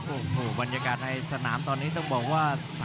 โอ้โหบรรยากาศในสนามตอนนี้ต้องบอกว่า